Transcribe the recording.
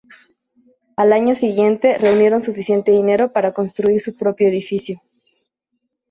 Al año siguiente, reunieron suficiente dinero para construir su propio edificio.